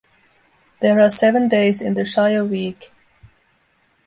There are seven days in the Shire week.